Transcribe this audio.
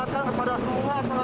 baik warga bogor ataupun luar bogor